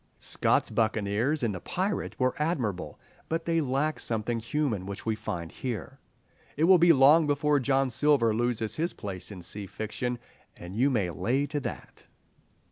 Scott's buccaneers in "The Pirate" are admirable, but they lack something human which we find here. It will be long before John Silver loses his place in sea fiction, "and you may lay to that."